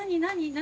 何？